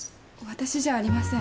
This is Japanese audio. わたしじゃありません。